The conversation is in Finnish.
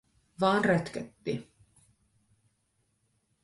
Vaan rötkötti.